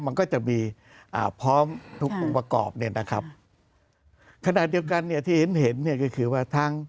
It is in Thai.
มันก็จะมีอ่าพร้อมทุกองค์ประกอบเนี่ยนะครับขณะเดียวกันเนี่ยที่เห็นเห็นเนี่ยก็คือว่าทั้ง